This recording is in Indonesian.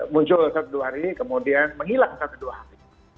muncul satu dua hari kemudian menghilang satu dua hari